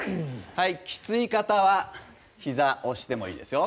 きつい方はひざを押してもいいですよ。